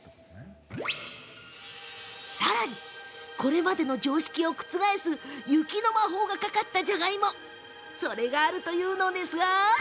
さらに、これまでの常識を覆す雪の魔法がかかった、じゃがいもそれがあるそうなんです。